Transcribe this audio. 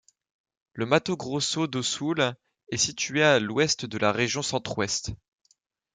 Le Mato Grosso do Sul est situé à l'ouest de la région Centre-Ouest.